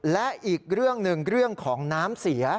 และอีกเรื่องหนึ่งเรื่องของน้ำเสีย